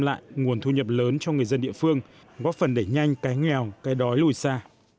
lại nguồn thu nhập lớn cho người dân địa phương góp phần để nhanh cái nghèo cái đói lùi xa